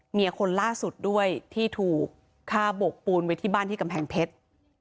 คนล่าสุดด้วยที่ถูกฆ่าโบกปูนไว้ที่บ้านที่กำแพงเพชร